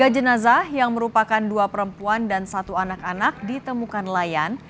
tiga jenazah yang merupakan dua perempuan dan satu anak anak ditemukan nelayan